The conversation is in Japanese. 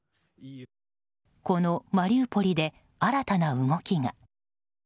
このマリウポリで新たな動きが。